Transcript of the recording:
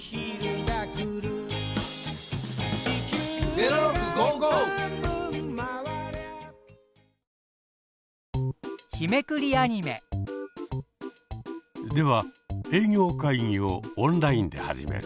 「０６」！では営業会議をオンラインで始める。